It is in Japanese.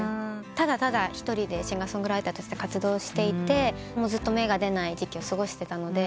ただただ一人でシンガー・ソングライターとして活動していてずっと芽が出ない時期を過ごしてたので。